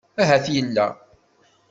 Ahat yella.